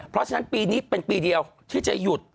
เพราะฉะนั้นปีนี้เป็นปีเดียวที่จะหยุด